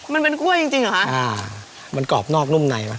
มันเป็นกล้วยจริงจริงเหรอคะอ่ามันกรอบนอกนุ่มในไหม